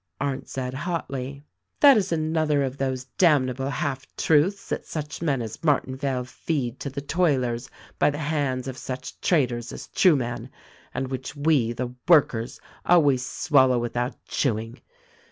Arndt said hotly: "That is another of those damnable half truths that such men as Martinvale feed to the toilers by the hands of such traitors as Trueman, and which we, the workers, always swallow without chewing.